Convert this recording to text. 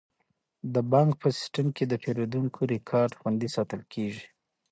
د بانک په سیستم کې د پیرودونکو ریکارډ خوندي ساتل کیږي.